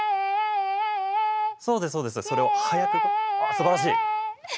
すばらしい！